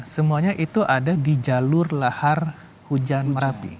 semuanya itu ada di jalur lahar hujan merapi